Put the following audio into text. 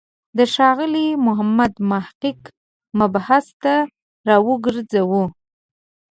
د ښاغلي محمد محق مبحث ته راوګرځو.